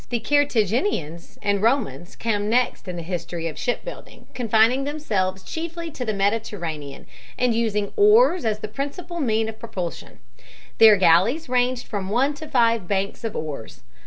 The Carthaginians and Romans come next in the history of shipbuilding, confining themselves chiefly to the Mediterranean, and using oars as the principal means of propulsion. Their galleys ranged from one to five banks of oars.